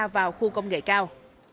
vào khu công nghệ cao